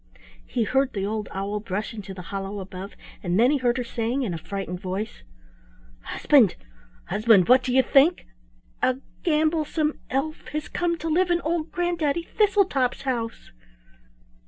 He heard the old owl brush into the hollow above, and then he heard her saying in a frightened voice: "Husband, husband, what do you think! A gamblesome elf has come to live in old Granddaddy Thistletop's house."